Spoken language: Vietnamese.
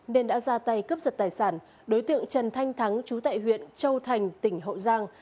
nên đã ra tay cướp giật tài sản đối tượng trần thanh thắng chú tại huyện châu thành tỉnh hậu giang